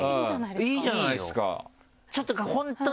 いいじゃないですか！